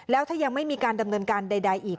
แล้วถ้ายังไม่มีการดำเนินการใดอีก